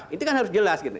itu kan harus jelas